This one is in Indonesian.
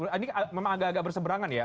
ini memang agak agak berseberangan ya